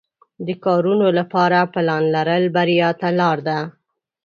د کارونو لپاره پلان لرل بریا ته لار ده.